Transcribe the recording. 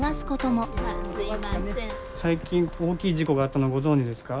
最近大きい事故があったのご存じですか？